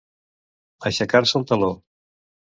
Aixecar-se el teló.